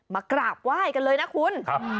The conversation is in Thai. มากราบไหว้กันเลยนะคุณ